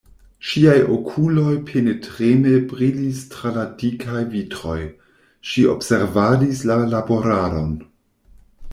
Ŝiaj okuloj penetreme brilis tra la dikaj vitroj: ŝi observadis la laboradon.